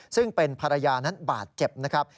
ซึ่งเป็นภรรยานั้นบาดเจ็บนะครับ